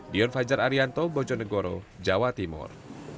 dion fajar arianto bojonegoro jawa timur